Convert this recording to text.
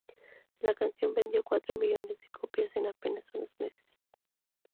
La canción vendió cuatro millones de copias en apenas unos meses.